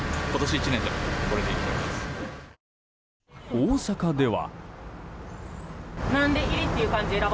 大阪では。